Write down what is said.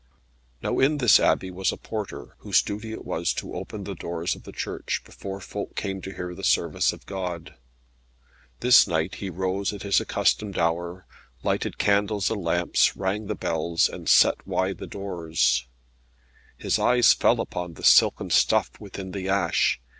Now in this Abbey was a porter, whose duty it was to open the doors of the church, before folk came to hear the service of God. This night he rose at his accustomed hour, lighted candles and lamps, rang the bells, and set wide the doors. His eyes fell upon the silken stuff within the ash.